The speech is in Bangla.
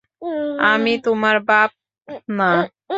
আমি তোমার বাপ না।